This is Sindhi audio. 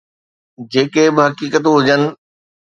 جيڪي به حقيقتون هجن.